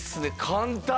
簡単！